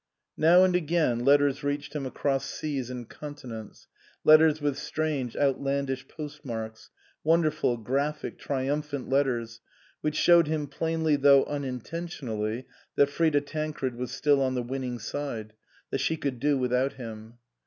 Now and again letters reached him across seas and continents, letters with strange, outlandish postmarks, wonderful, graphic, triumphant letters, which showed him plainly though un intentionally that Frida Tancred was still on the winning side, that she could do without him.